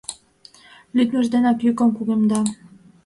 Лӱдмыж денак йӱкым кугемда.